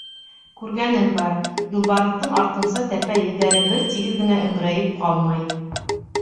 Күргәнем бар: юлбарыҫтың артынса тәпәй эҙҙәре бер тигеҙ генә өңөрәйеп ҡалмай.